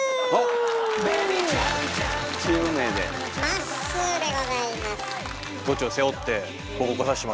まっすーでございます。